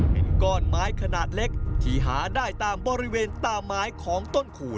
เป็นก้อนไม้ขนาดเล็กที่หาได้ตามบริเวณตามไม้ของต้นขูด